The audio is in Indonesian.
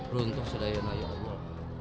runtuh sedaya ya allah